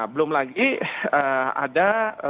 belum lagi ada